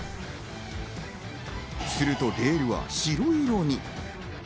するとレールは白色に。